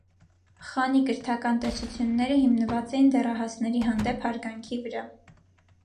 Խանի կրթական տեսությունները հիմնված էին դեռահասների հանդեպ հարգանքի վրա։